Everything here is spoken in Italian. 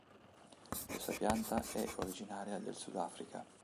Questa pianta è originaria del Sudafrica.